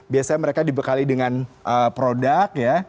biasanya mereka dibekali dengan produk ya